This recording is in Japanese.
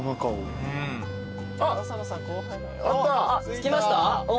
着きました？